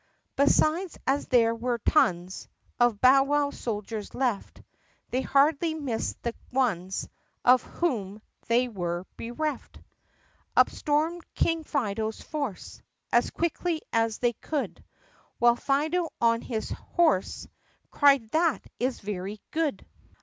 (Besides as there were tons Of bowwow soldiers left They hardly missed the ones Of whom they were bereft.) Up stormed King Fido's force As quickly as they could While Fido on his horse Cried, "That is very good !"